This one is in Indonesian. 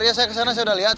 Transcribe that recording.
saya kesana saya sudah lihat